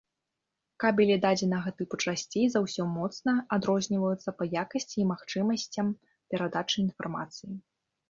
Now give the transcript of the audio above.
Кабелі дадзенага тыпу часцей за ўсё моцна адрозніваюцца па якасці і магчымасцям перадачы інфармацыі.